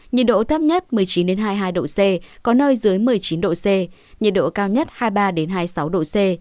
nhiệt độ thấp nhất một mươi chín hai mươi hai độ c có nơi dưới một mươi chín độ c nhiệt độ cao nhất hai mươi ba hai mươi sáu độ c